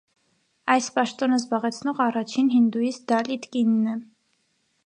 Այս պաշտոնը զբաղեցնող առաջին հինդուիստ դալիտ կինն է։